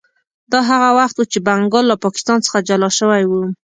دا هغه وخت و چې بنګال له پاکستان څخه جلا شوی و.